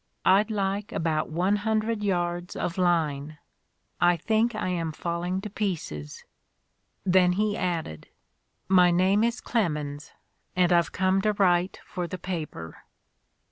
"I'd like about one hundred yards of line; I think I am falling to pieces." Then he added: "My name is Clemens, and I've come to write for the paper."